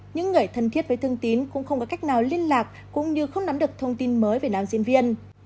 những người thân thiết với thương tín cũng không có cách nào liên lạc cũng như không nắm được thông tin mới về nam diễn viên